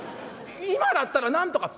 今だったらなんとか」。